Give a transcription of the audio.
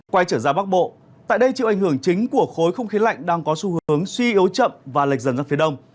quay trở ra bắc bộ tại đây chịu ảnh hưởng chính của khối không khí lạnh đang có xu hướng suy yếu chậm và lệch dần ra phía đông